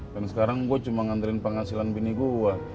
dan sekarang gue cuma ngantriin penghasilan bini gue